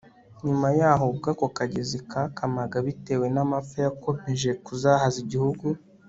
Nyuma yaho ubwo ako kagezi kakamaga bitewe namapfa yakomeje kuzahaza igihugu